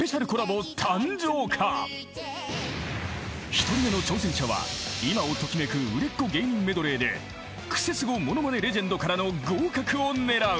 ［１人目の挑戦者は今を時めく売れっ子芸人メドレーでクセスゴものまねレジェンドからの合格を狙う］